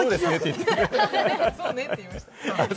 そうねって言いました。